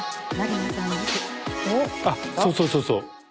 あっそうそうそうそう。